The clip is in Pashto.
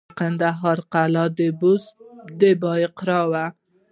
د کندهار قلعه بست د بایقرا وه